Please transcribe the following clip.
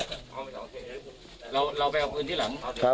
เราไปเอาปืนที่หลังในรถมาใช่ไหมครับครับผม